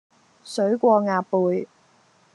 水過鴨背